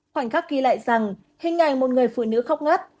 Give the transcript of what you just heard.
khoảnh khắc ghi lại rằng hình ảnh một người phụ nữ khóc ngắt